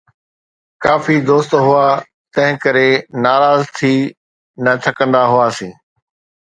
ڪافي دوست هئا، تنهن ڪري ناراض ٿي نه ٿڪندا هئاسين